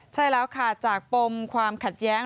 ใช่แล้วค่ะจากปมความขัดแย้ง